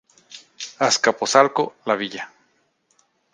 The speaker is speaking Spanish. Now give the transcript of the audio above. Azcapotzalco-La Villa.